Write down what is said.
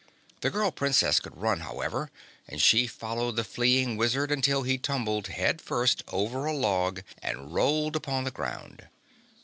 The girl Princess could run, however, and she followed the fleeing Wizard until he tumbled head first over a log and rolled upon the ground.